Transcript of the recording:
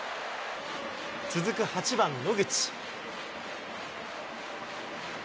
続く８番野口。